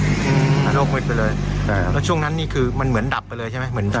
โรควิดไปเลยใช่แล้วช่วงนั้นนี่คือมันเหมือนดับไปเลยใช่ไหมเหมือนดับ